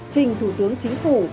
trình thủ tướng chính phủ